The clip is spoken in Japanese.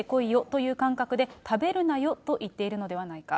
かせいで来いよという感覚で、食べるなよと言っているのではないか。